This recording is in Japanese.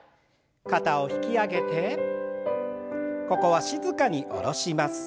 肩を引き上げてここは静かに下ろします。